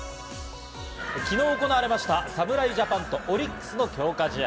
昨日行われました、侍ジャパンとオリックスの強化試合。